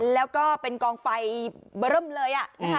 แล้วก็เป็นกองไฟเบิร์มเลย